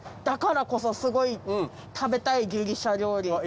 だからこそすごい食べたいギリシャ料理。